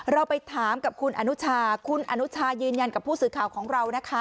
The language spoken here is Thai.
เราไปถามกับคุณอนุชาคุณอนุชายืนยันกับผู้สื่อข่าวของเรานะคะ